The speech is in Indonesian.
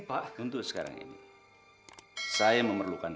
kamu buang jauh jauh